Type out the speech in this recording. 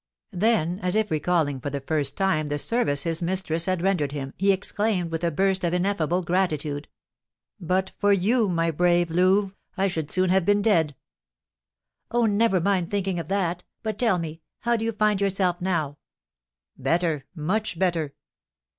Then, as if recalling for the first time the service his mistress had rendered him, he exclaimed, with a burst of ineffable gratitude: "But for you, my brave Louve, I should soon have been dead!" "Oh, never mind thinking of that! But tell me, how do you find yourself now?" "Better much better!"